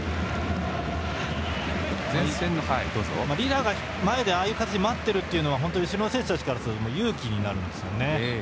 リラが前で待っているというのは本当に後ろの選手たちからすると勇気になるんですよね。